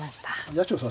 八代さん